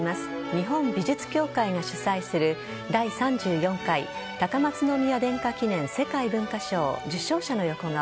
日本美術協会が主催する第３４回高松宮殿下記念世界文化賞受賞者の横顔。